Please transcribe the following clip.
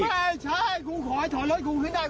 ไม่ใช่ครูขอให้ถอนรถครูลอกให้ได้